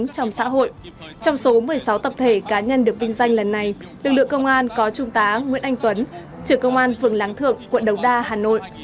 trong số một mươi sáu tập thể cá nhân được kinh doanh lần này lực lượng công an có trung tá nguyễn anh tuấn trưởng công an phường láng thượng quận đống đa hà nội